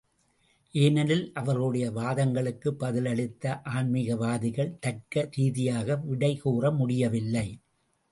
ஏனெனில் அவர்களுடைய வாதங்களுக்கு பதிலளித்த ஆன்மீகவாதிகள் தர்க்க ரீதியாக விடைகூற முடியவில்லை.